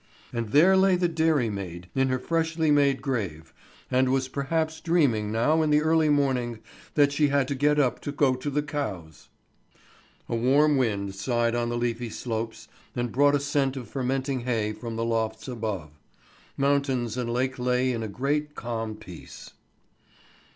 And there lay the dairy maid in her freshly made grave, and was perhaps dreaming now in the early morning that she had to get up to go to the cows. A warm wind sighed on the leafy slopes, and brought a scent of fermenting hay from the lofts about. Mountain and lake lay in a great calm peace.